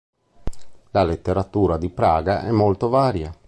La letteratura di Praga è molto varia.